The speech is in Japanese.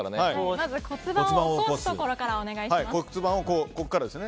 まず、骨盤を起こすところからお願いします。